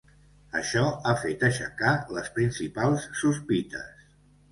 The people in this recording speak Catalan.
Això ha fet aixecar les principals sospites.